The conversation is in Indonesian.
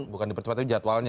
bukan dipercepat tapi jadwalnya